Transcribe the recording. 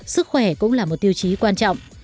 sức khỏe cũng là một tiêu chí quan trọng